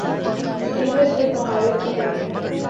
Team میں صرف مہارت کی کمی ہے ۔